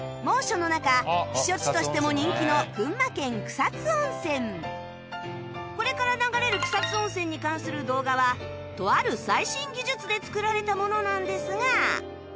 猛暑の中これから流れる草津温泉に関する動画はとある最新技術で作られたものなんですが